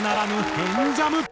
「変ジャム」